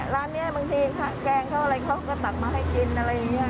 ร้านนี้บางทีแกงเขาอะไรเขาก็ตักมาให้กินอะไรอย่างนี้